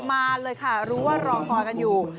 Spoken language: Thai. มาเลยค่ะรู้ว่ารอคอยกันอยู่